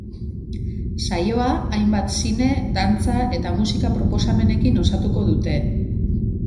Saioa, hainbat zine, dantza eta musika proposamenekin osatuko dute.